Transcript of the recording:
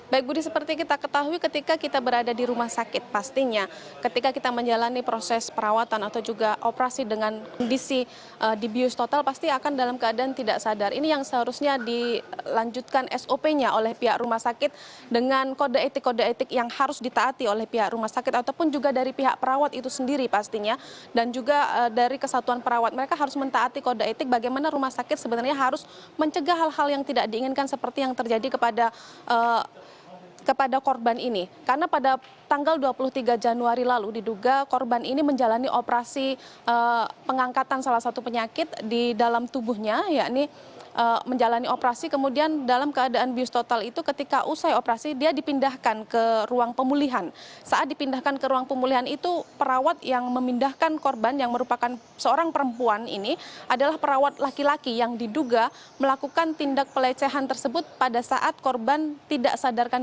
baik budi seperti kita ketahui ketika kita berada di rumah sakit pastinya ketika kita menjalani proses perawatan atau juga operasi dengan kondisi dibius total pasti akan dalam keadaan tidak sadar